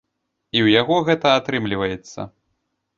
І ў яго гэта атрымліваецца.